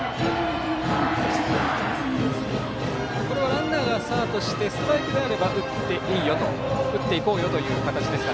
ランナーがスタートしてストライクであれば打っていこうよという形ですか。